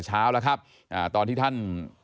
เช้าแล้วครับตอนที่ท่าน